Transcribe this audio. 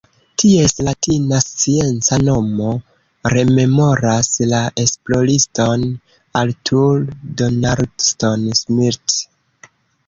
Ties latina scienca nomo rememoras la esploriston Arthur Donaldson-Smith.